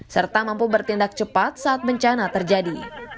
serta mampu bertindak cepat saat bencana terjadi